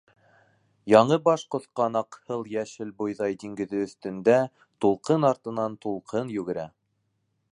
Яңы баш ҡоҫҡан аҡһыл йәшел бойҙай диңгеҙе өҫтөндә тулҡын артынан тулҡын йүгерә.